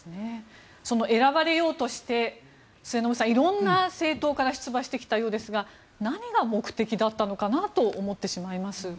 選ばれようとして末延さん、色んな政党から出馬してきたようですが何が目的だったのかなと思ってしまいます。